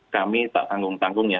kami tak tanggung tanggung ya